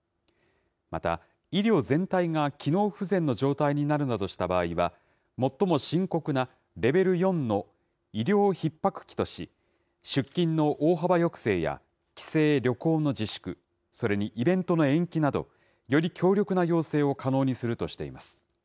また、医療全体が機能不全の状態になるなどした場合は、最も深刻なレベル４の医療ひっ迫期とし、出勤の大幅抑制や、帰省・旅行の自粛、それにイベントの延期など、より強力な要請を可能にするとしています。